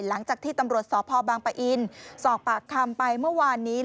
หลังจากที่ตำรวจสพบางปะอินสอบปากคำไปเมื่อวานนี้